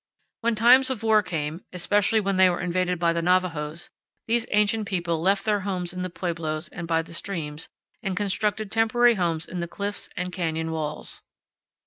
When times of war came, especially when they were invaded by the Navajos, these ancient people left their homes in the pueblos and by the streams and constructed temporary homes in the cliffs and canyon 54 CANYONS OF THE COLORADO. walls.